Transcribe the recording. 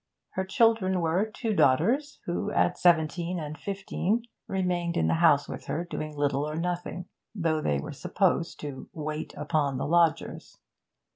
Her children were two daughters, who, at seventeen and fifteen, remained in the house with her doing little or nothing, though they were supposed to 'wait upon the lodgers.'